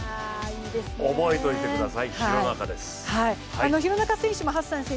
覚えておいてください、廣中です。